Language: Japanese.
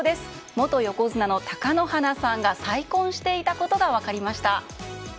元横綱の貴乃花さんが再婚していたことが分かりました。